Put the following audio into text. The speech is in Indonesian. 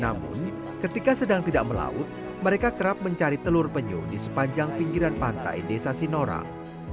namun ketika sedang tidak melaut mereka kerap mencari telur penyuh di sepanjang pinggiran pantai desa sinorang